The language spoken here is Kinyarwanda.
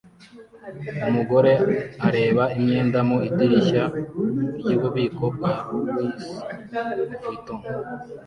Umugore areba imyenda mu idirishya ryububiko bwa Louis Vuitton